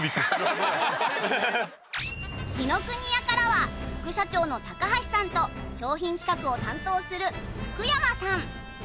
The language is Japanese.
紀ノ国屋からは副社長の橋さんと商品企画を担当する福山さん